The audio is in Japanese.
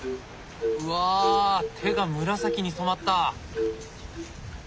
うわ手が紫に染まった！